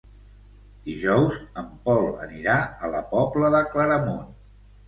Dijous en Pol anirà a la Pobla de Claramunt.